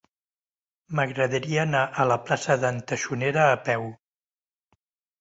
M'agradaria anar a la plaça d'en Taxonera a peu.